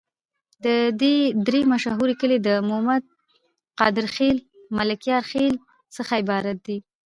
د دي درې مشهور کلي د مومد، قادر خیل، ملکیار خیل څخه عبارت دي.